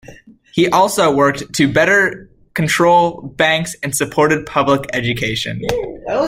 He also worked to better control banks and supported public education.